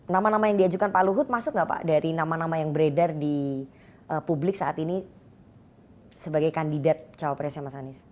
nama nama yang diajukan pak luhut masuk nggak pak dari nama nama yang beredar di publik saat ini sebagai kandidat cawapresnya mas anies